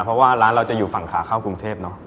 เพราะว่าร้านเราจะอยู่ฝั่งขาเข้ากรุงเทพเนอะ